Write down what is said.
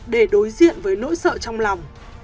để đối diện với nỗi sợ trong lòng